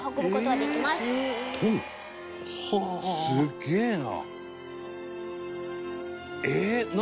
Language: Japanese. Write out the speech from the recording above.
「すげえな！」